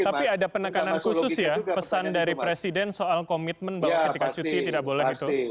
tapi ada penekanan khusus ya pesan dari presiden soal komitmen bahwa ketika cuti tidak boleh itu